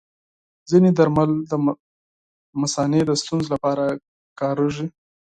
ځینې درمل د مثانې د ستونزو لپاره کارېږي.